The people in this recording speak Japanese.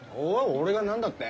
俺が何だって？